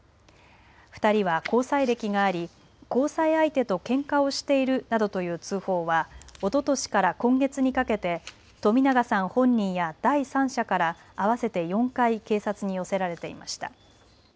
２人は交際歴があり交際相手とけんかをしているなどという通報はおととしから今月にかけて冨永さん本人や第三者から合わせて４回警察に寄せられていました。